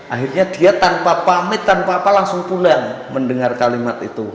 akhirnya dia tanpa pamit tanpa apa apa langsung pulang mendengar kalimat itu